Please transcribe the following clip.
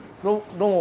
どうも。